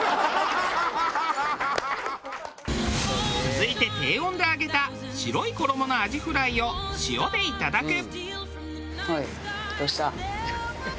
続いて低温で揚げた白い衣のアジフライを塩でいただく。